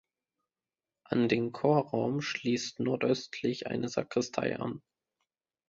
An den Chorraum schließt nordöstlich eine Sakristei an.